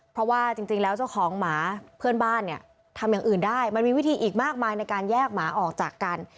เพราะว่าจริงแล้วเจ้าของหมาเพื่อนบ้านเนี่ยทำอย่างอื่นได้มันมีวิธีอีกมากมายในการแยกหมาออกจากกัน